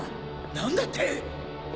何だって？